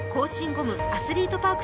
ゴムアスリートパーク